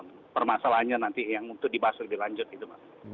nah permasalahannya nanti yang untuk dibahas lebih lanjut gitu mas